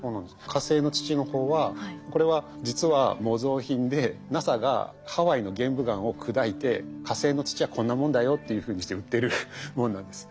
火星の土の方はこれは実は模造品でＮＡＳＡがハワイの玄武岩を砕いて火星の土はこんなもんだよっていうふうにして売ってるものなんです。